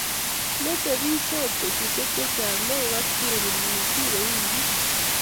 motebisot betusiek chechang mauekak Cherry, mosiirei wikit